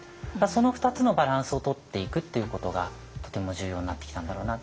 その２つのバランスをとっていくっていうことがとても重要になってきたんだろうな。